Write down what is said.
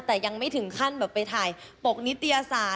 แต่ยังไม่ถึงขั้นแบบไปถ่ายปกนิตยศาสต